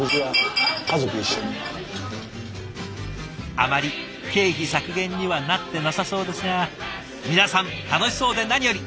あまり経費削減にはなってなさそうですが皆さん楽しそうで何より。